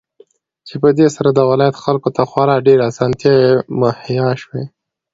چې په دې سره د ولايت خلكو ته خورا ډېرې اسانتياوې مهيا شوې.